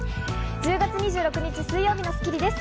１０月２６日、水曜日の『スッキリ』です。